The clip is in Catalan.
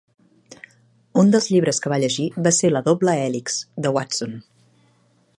Un dels llibres que va llegir va ser "La Doble Hèlix", de Watson.